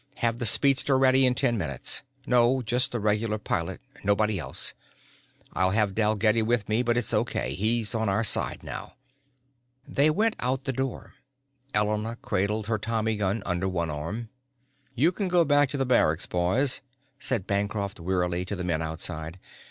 Have the speedster ready in ten minutes. No, just the regular pilot, nobody else. I'll have Dalgetty with me but it's okay. He's on our side now." They went out the door. Elena cradled her tommy gun under one arm. "You can go back to the barracks, boys," said Bancroft wearily to the men outside.